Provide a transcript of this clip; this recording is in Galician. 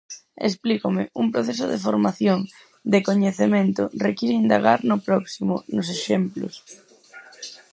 Explícome, un proceso de formación, de coñecemento, require indagar no próximo, nos exemplos.